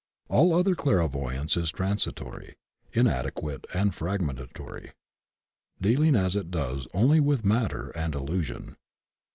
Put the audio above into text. All other clairvoyance is transitory, inadequate and fragmentary, dealing, as it does, only with matter and illusion.